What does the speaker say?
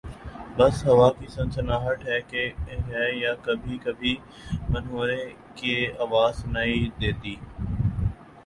بس ہوا کی سنسناہٹ ہے یا کبھی کبھی بھنورے کی آواز سنائی دیتی